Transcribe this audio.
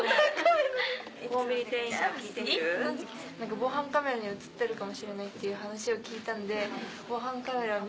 防犯カメラに映ってるかもしれないっていう話を聞いたので。